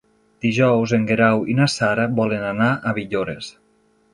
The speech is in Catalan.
Dijous en Guerau i na Sara volen anar a Villores.